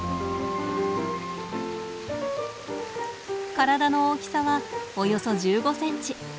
体の大きさはおよそ１５センチ。